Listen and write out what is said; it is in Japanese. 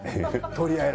取り合い。